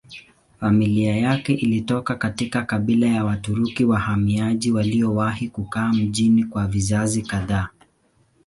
Familia yake ilitoka katika kabila ya Waturuki wahamiaji waliowahi kukaa mjini kwa vizazi kadhaa.